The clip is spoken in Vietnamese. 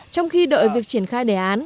trong khi đợi việc triển khai đề án